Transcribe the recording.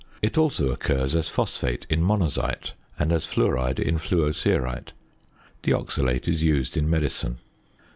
It also occurs as phosphate in monazite, and as fluoride in fluocerite. The oxalate is used in medicine.